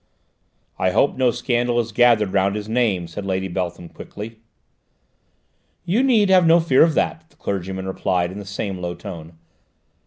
"I hope no scandal has gathered round his name," said Lady Beltham quickly. "You need have no fear of that," the clergyman replied in the same low tone.